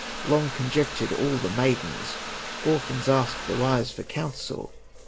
Long conjectured all the maidens, Orphans asked the wise for counsel.